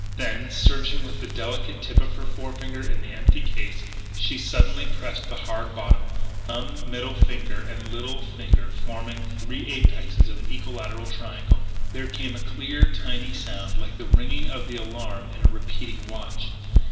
Then, searching with the delicate tip of her forefinger in the empty case, she suddenly pressed the bottom hard, thumb, middle finger and little finger forming the three apexes of an equilateral triangle. There came a clear, tiny sound like the ringing of the alarm in a repeating watch.